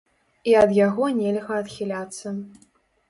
І ад яго нельга адхіляцца.